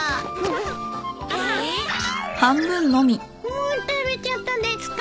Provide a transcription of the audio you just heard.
もう食べちゃったですか？